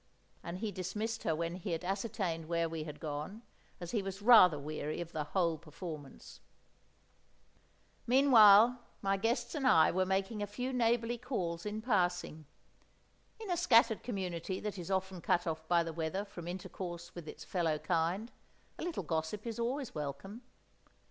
And he dismissed her when he had ascertained where we had gone, as he was rather weary of the whole performance. Meanwhile my guests and I were making a few neighbourly calls in passing. In a scattered community that is often cut off by the weather from intercourse with its fellow kind, a little gossip is always welcome.